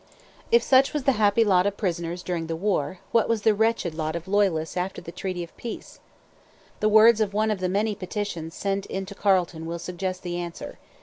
If such was the happy lot of prisoners during the war, what was the wretched lot of Loyalists after the treaty of peace? The words of one of the many petitions sent in to Carleton will suggest the answer.